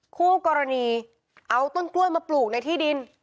คู่กรณีเอาต้นกล้วยมาปลูกในที่ดิน